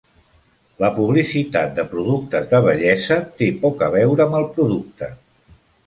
La publicitat de productes de bellesa té poc a veure amb el producte.